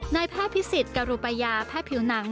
นายแพทย์พิสิทธิ์กรุปยาแพทย์ผิวหนัง